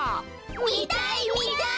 みたいみたい！